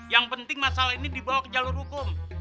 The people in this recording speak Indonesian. yang penting masalah ini dibawa ke jalur hukum